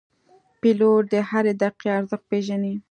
پیلوټ د هرې دقیقې ارزښت پېژني.